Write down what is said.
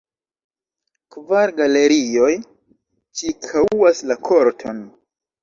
Kvar galerioj ĉirkaŭas la korton.